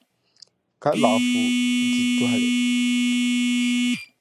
Ka laɣifu di tɔhili.